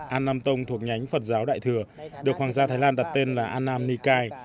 an nam tông thuộc nhánh phật giáo đại thừa được hoàng gia thái lan đặt tên là an nam ni kai